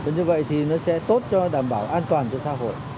như vậy thì nó sẽ tốt cho đảm bảo an toàn cho xã hội